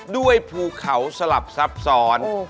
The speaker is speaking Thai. ภูเขาสลับซับซ้อน